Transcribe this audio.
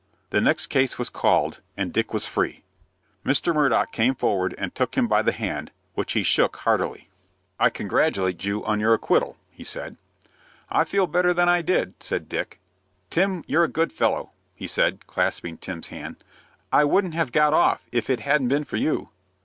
The next case was called, and Dick was free. Mr. Murdock came forward, and took him by the hand, which he shook heartily. "I congratulate you on your acquittal," he said. "I feel a little better than I did," said Dick. "Tim, you're a good fellow," he said, clasping Tim's hand. "I wouldn't have got off, if it hadn't been for you."